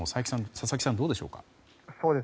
佐々木さん、どうでしょうか？